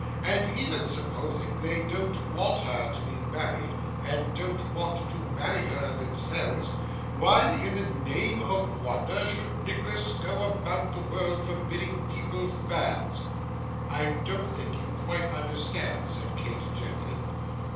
And even supposing they don't want her to be married, and don't want to marry her themselves, why in the name of wonder should Nicholas go about the world, forbidding people's banns?' 'I don't think you quite understand,' said Kate, gently.